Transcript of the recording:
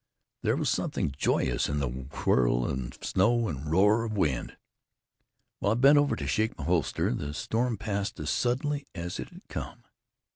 There was something joyous in the whirl of snow and roar of wind. While I bent over to shake my holster, the storm passed as suddenly as it had come.